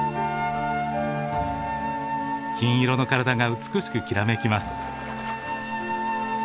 金色の体が美しくきらめきます。